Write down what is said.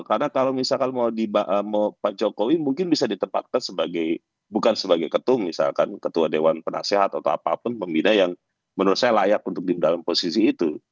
karena kalau misalkan mau pak jokowi mungkin bisa ditempatkan sebagai bukan sebagai ketum misalkan ketua dewan penasehat atau apa apa pembeda yang menurut saya layak untuk di dalam posisi itu